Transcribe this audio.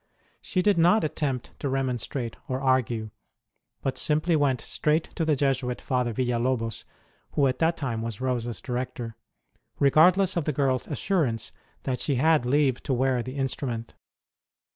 She did not attempt to remonstrate or argue, but simply went straight to the Jesuit Father Villalobos (who at that time was Rose s director), regardless of the girl s assurance that she had leave to wear the instrument.